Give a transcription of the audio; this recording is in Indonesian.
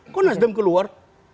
kok nasdem keluar